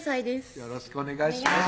よろしくお願いします